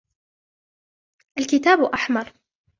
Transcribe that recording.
الكتاب أحمر.